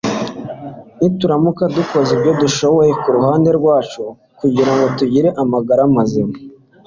nituramuka dukoze ibyo dushoboye ku ruhande rwacu kugira ngo tugire amagara mazima